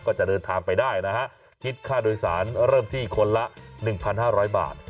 ก็จะเดินทางไปได้นะฮะคิดค่าโดยสารเริ่มที่คนละ๑๕๐๐บาท